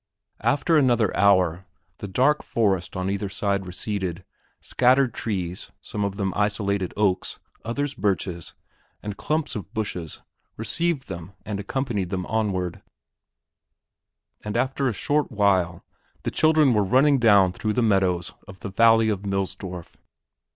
After another hour, the dark forest on either side receded, scattered trees, some of them isolated oaks, others birches, and clumps of bushes, received them and accompanied them onward, and after a short while the children were running down through the meadows of the valley of Millsdorf.